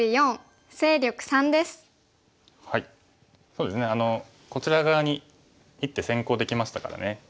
そうですねこちら側に１手先行できましたからね。